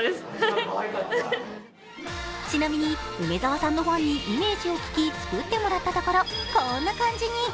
ちなみに梅澤さんのファンにイメージを聞き作ってもらったところ、こんな感じに。